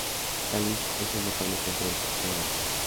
Kalisz es un notable centro educativo en la región.